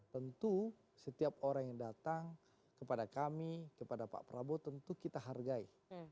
tentu setiap orang yang datang kepada kami kepada pak prabowo tentu kita hargai